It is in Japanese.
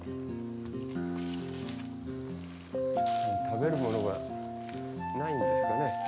食べるものがないんですかね。